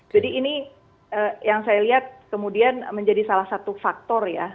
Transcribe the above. jadi ini yang saya lihat kemudian menjadi salah satu faktor ya